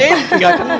sekenyokap gue mana